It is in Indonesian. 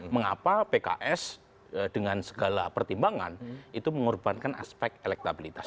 mengapa pks dengan segala pertimbangan itu mengorbankan aspek elektabilitas